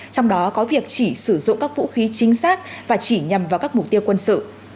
trong đó có việc chỉ sử dụng các vũ khí chính xác và chỉ nhằm vào các mục tiêu quân sự